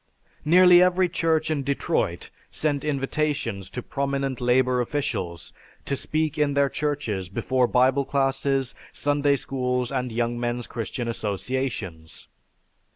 Nearly every church in Detroit sent invitations to prominent labor officials to speak in their churches before Bible classes, Sunday schools, and Young Men's Christian Associations.